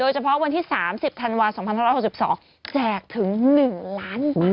โอ้ยเยอะเยอะ